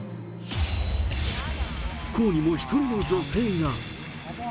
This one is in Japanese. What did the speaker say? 不幸にも、１人の女性が。